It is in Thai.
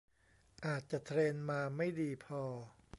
อาจจะเทรนมาไม่ดีพอ